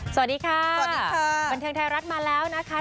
สวัสดีค่ะสวัสดีค่ะบันเทิงไทยรัฐมาแล้วนะคะ